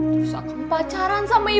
terus akang pacaran sama bu dokter